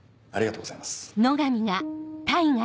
ありがとうございます。